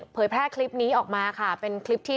แพร่คลิปนี้ออกมาค่ะเป็นคลิปที่